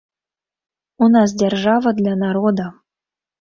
У нас дзяржава для народа.